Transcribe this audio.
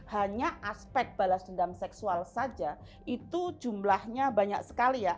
hanya aspek balas dendam seksual saja itu jumlahnya banyak sekali ya